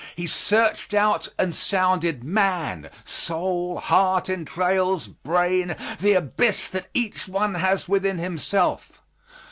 He searched out and sounded man, soul, heart, entrails, brain, the abyss that each one has within himself.